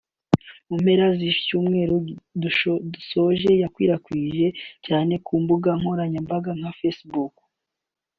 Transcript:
mu mpera z’icyumweru dusoje yakwirakwijwe cyane ku mbuga nkoranyambaga nka facebook